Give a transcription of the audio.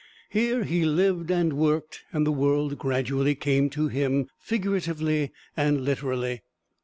Here he lived and worked, and the world gradually came to him, figuratively and literally.